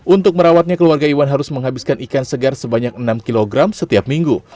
untuk merawatnya keluarga iwan harus menghabiskan ikan segar sebanyak enam kg setiap minggu